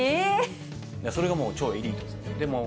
それがもう、超エリートです。